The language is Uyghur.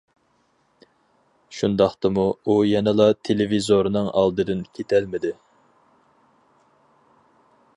شۇنداقتىمۇ، ئۇ يەنىلا تېلېۋىزورنىڭ ئالدىدىن كېتەلمىدى.